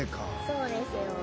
そうですよ。